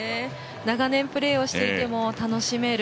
長年、プレーをしていても楽しめる。